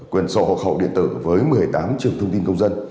quyền sổ hộ khẩu địa tờ với một mươi tám trường thông tin công dân